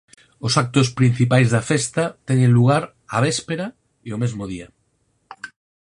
Os actos principais da festa teñen lugar a véspera e o mesmo día.